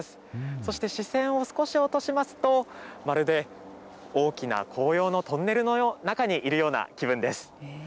そして視線を少し落としますと、まるで大きな紅葉のトンネルの中にいるような気分です。